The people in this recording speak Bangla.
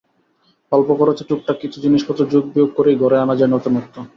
অল্প খরচে টুকটাক কিছু জিনিসপত্র যোগ-বিয়োগ করেই ঘরে আনা যায় নতুনত্ব।